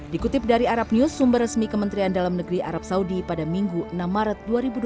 dikutip dari arab news sumber resmi kementerian dalam negeri arab saudi pada minggu enam maret dua ribu dua puluh